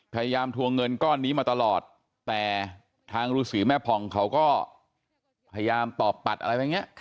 ทวงเงินก้อนนี้มาตลอดแต่ทางฤษีแม่ผ่องเขาก็พยายามตอบปัดอะไรแบบนี้